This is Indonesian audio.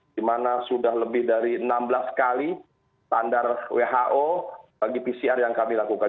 di mana sudah lebih dari enam belas kali standar who bagi pcr yang kami lakukan